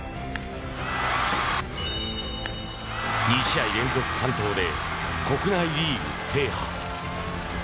２試合連続完投で国内リーグ制覇。